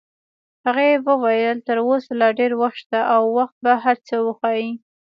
هغې وویل: تر اوسه لا ډېر وخت شته او وخت به هر څه وښایي.